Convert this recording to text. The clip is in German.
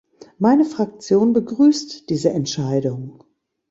Meine Fraktion begrüßt diese Entscheidung.